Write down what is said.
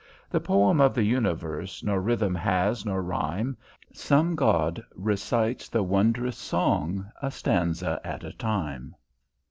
The Poem of the Universe Nor rhythm has nor rhyme; Some God recites the wondrous song, A stanza at a time.